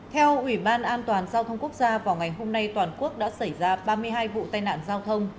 theo ubnd vào ngày hôm nay toàn quốc đã xảy ra ba mươi hai vụ tai nạn giao thông